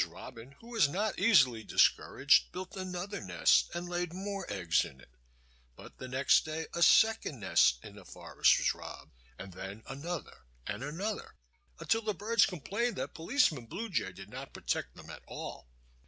Robin, who was not easily discouraged, built another nest and laid more eggs in it; but the next day a second nest in the forest was robbed, and then another and another, until the birds complained that Policeman Blue Jay did not protect them at all.